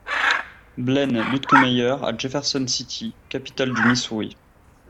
Blaine Luetkemeyer à Jefferson City, capitale du Missouri.